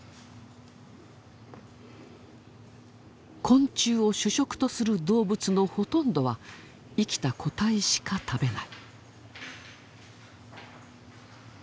昆虫を主食とする動物のほとんどは生きた個体しか食べない。